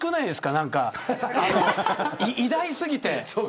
何か偉大過ぎて。